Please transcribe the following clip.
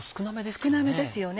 少なめですよね。